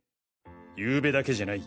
ゆうべだけじゃない。